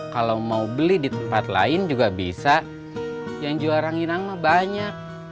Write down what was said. kalau mau beli di tempat lain juga bisa yang jual ranginangnya banyak